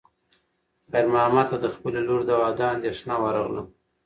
خیر محمد ته د خپلې لور د واده اندېښنه ورغله.